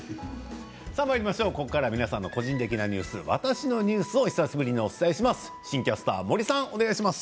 ここからは皆さんの個人的なニュース「わたしのニュース」を久しぶりにお伝えします。